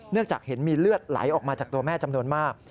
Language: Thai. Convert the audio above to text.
จากเห็นมีเลือดไหลออกมาจากตัวแม่จำนวนมาก